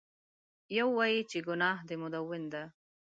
یو وایي چې ګناه د مدون ده.